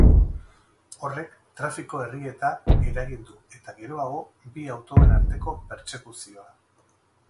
Horrek trafiko-errieta eragin du eta, geroago, bi autoen arteko pertsekuzioa.